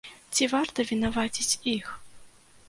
Ці варта вінаваціць іх?